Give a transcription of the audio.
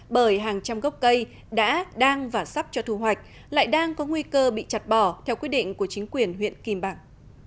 bởi hàng trăm gốc cây đã đang và sắp cho thu hoạch lại đang có nguy cơ bị chặt bỏ theo quyết định của chính quyền huyện kim bảng